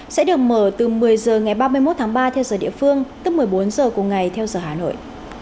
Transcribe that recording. sẽ được mở từ một mươi h ngày ba mươi một tháng ba theo giờ địa phương tức một mươi bốn h cùng ngày theo giờ hà nội